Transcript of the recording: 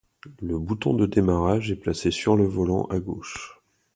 Le bouton de démarrage est placé sur le volant à gauche.